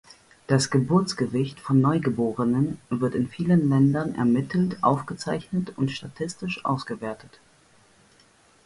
Das Geburtsgewicht von Neugeborenen wird in vielen Ländern ermittelt, aufgezeichnet und statistisch ausgewertet.